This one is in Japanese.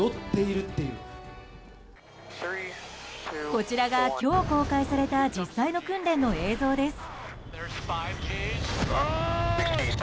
こちらが今日公開された実際の訓練の映像です。